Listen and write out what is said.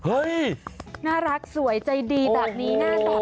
เฮ้ยน่ารักสวยใจดีแบบนี้